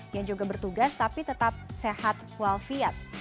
yang juga bertugas tapi tetap sehat walfiat